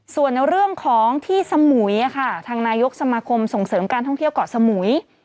ส่วนเรื่องของที่สมุยค่ะทางนายกสมาคมส่งเสริมการท่องเที่ยวเกาะสมุย